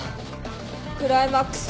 クライマックス。